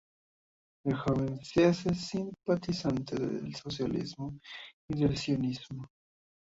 De joven se hace simpatizante del socialismo y del sionismo.